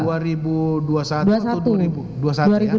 dua ribu dua puluh satu atau dua ribu dua puluh satu ya